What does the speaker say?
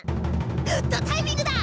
グッドタイミングだ！